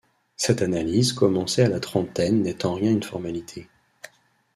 Cette analyse commencée à la trentaine n'est en rien une formalité.